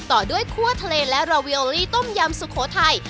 ต่อด้วยคั่วทะเลและราวิโอลี่ต้มยำสุโขทัย